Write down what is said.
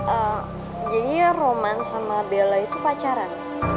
eh jadi roman sama bella itu pacaran